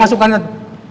masukan apa pak pratik